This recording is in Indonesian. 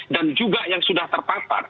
dan juga yang sudah terpapar